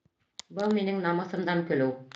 Был минең намыҫымдан көлөү!